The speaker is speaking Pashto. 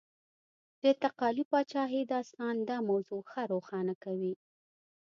د تقالي پاچاهۍ داستان دا موضوع ښه روښانه کوي.